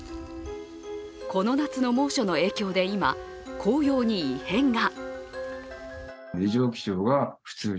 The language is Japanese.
この夏の猛暑の影響で今、紅葉に異変が。